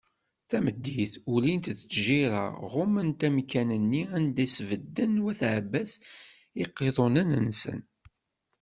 Tameddit, ulint-d tjirra, ɣumment amkan-nni anda i sbedden wat Ɛebbas iqiḍunen-nsen.